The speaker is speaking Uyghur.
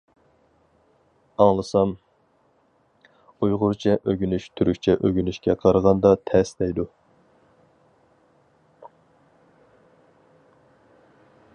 ئاڭلىسام، ئۇيغۇرچە ئۆگىنىش تۈركچە ئۆگىنىشكە قارىغاندا تەس دەيدۇ.